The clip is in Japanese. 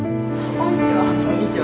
こんにちは。